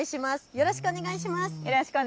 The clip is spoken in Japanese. よろしくお願いします。